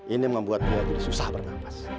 ini membuat dia jadi susah bernafas